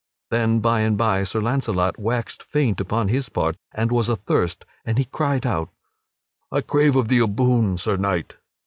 Then by and by Sir Launcelot waxed faint upon his part and was athirst, and he cried out: "I crave of thee a boon, Sir Knight!"